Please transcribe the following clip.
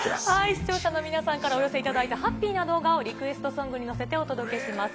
視聴者の皆さんからお寄せいただいたハッピーな動画をリクエストソングに乗せてお届けしております。